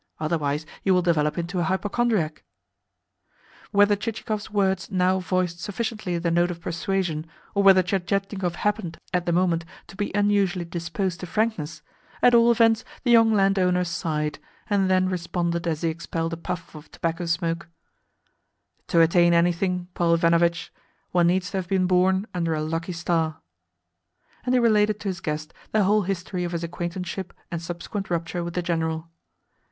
Otherwise you will develop into a hypochondriac." Whether Chichikov's words now voiced sufficiently the note of persuasion, or whether Tientietnikov happened, at the moment, to be unusually disposed to frankness, at all events the young landowner sighed, and then responded as he expelled a puff of tobacco smoke: "To attain anything, Paul Ivanovitch, one needs to have been born under a lucky star." And he related to his guest the whole history of his acquaintanceship and subsequent rupture with the General.